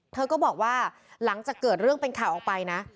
เธอก็บอกว่าหลังจากเกิดเรื่องเป็นข่าวออกไปนะ